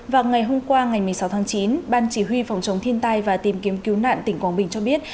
vào ngày hôm qua ngày một mươi sáu tháng chín ban chỉ huy phòng chống thiên tai và tìm kiếm cứu nạn tỉnh quảng bình cho biết